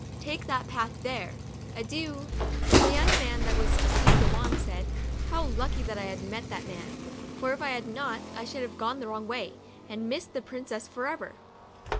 Take that path there. Adieu !" The young man that was to seek the wand, said, "How lucky that T met that man ; for if I had not I should have gone the wrong way, and missed the princess for ever."